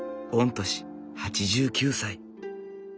御年８９歳。